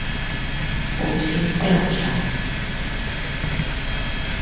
福興吊橋